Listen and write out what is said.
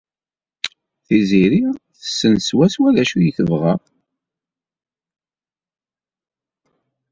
Tiziri tessen swaswa d acu i tebɣa.